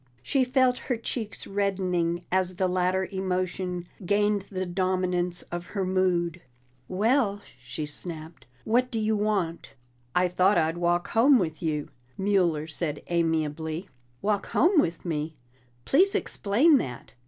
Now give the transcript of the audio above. She felt her cheeks reddening as the latter emotion gained the dominance of her mood. "Well!" she snapped. "What do you want?" "I thought I'd walk home with you," Mueller said amiably. "Walk home with me! Please explain that!"